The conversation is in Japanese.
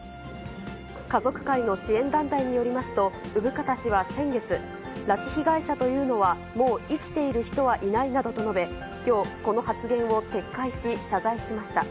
家族会の支援団体によりますと、生方氏は先月、拉致被害者というのは、もう生きている人はいないなどと述べ、きょう、この発言を撤回し謝罪しました。